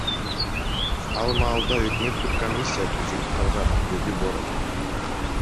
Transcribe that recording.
Ал маалда өкмөттүк комиссия түзүлүп калган, — деди Боронов.